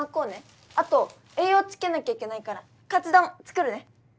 あと栄養つけなきゃいけないからかつ丼作るね！